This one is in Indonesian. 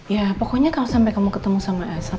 ya pokoknya kalau sampai kamu ketemu sama asap